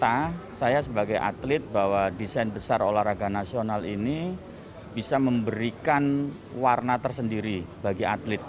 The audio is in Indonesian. pertama saya sebagai atlet bahwa desain besar olahraga nasional ini bisa memberikan warna tersendiri bagi atlet